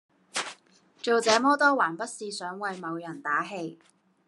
做這麼多還不是想為某人打氣